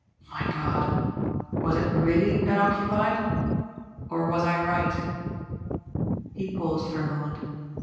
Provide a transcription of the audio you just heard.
My God, was it really unoccupied ? Or was I right?" He paused for a moment.